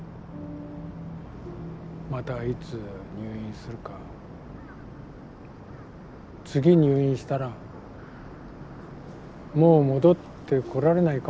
またいつ入院するか次入院したらもう戻ってこられないかもしれない。